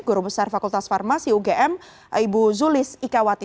guru besar fakultas farmasi ugm ibu zulis ika wati